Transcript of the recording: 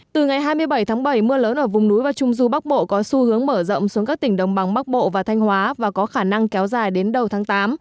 từ ngày hai mươi bảy tháng bảy mưa lớn ở vùng núi và trung du bắc bộ có xu hướng mở rộng xuống các tỉnh đồng bằng bắc bộ và thanh hóa và có khả năng kéo dài đến đầu tháng tám